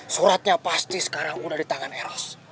suratnya pasti sekarang udah di tangan rs